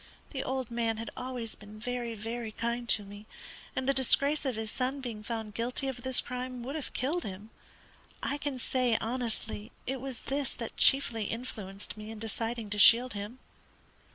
The old man had always been very, very kind to me, and the disgrace of his son being found guilty of this crime would have killed him. I can say, honestly, it was this that chiefly influenced me in deciding to shield him.